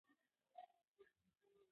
د رخصتیو اخیستل د ښه تمرکز او ارام سبب دی.